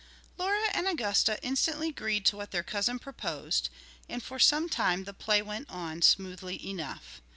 Laura and Augusta instantly agreed to what their cousin proposed, and for some time the play went on smoothly enough.